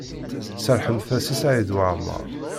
Serrḥemt-as-d i Saɛid Waɛmaṛ.